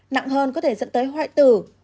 nặng hơn có thể dẫn tới hoại tử